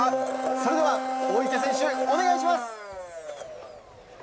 それでは大池選手お願いします！